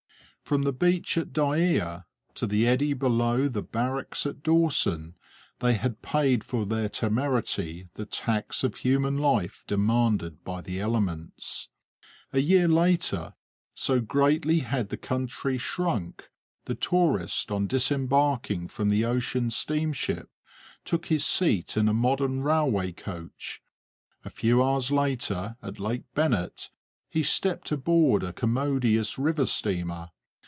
From the beach at Dyea to the eddy below the Barracks at Dawson, they had paid for their temerity the tax of human life demanded by the elements. A year later, so greatly had the country shrunk, the tourist, on disembarking from the ocean steamship, took his seat in a modern railway coach. A few hours later, at Lake Bennet, he stepped aboard a commodious river steamer.